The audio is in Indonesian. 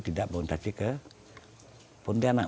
tidak berontasi ke pontianak